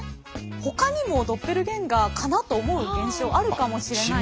ほかにもドッペルゲンガーかなと思う現象あるかもしれないので。